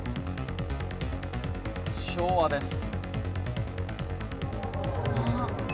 昭和です。